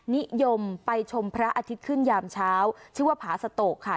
นิยมไปชมพระอาทิตย์ขึ้นยามเช้าชื่อว่าผาสโตกค่ะ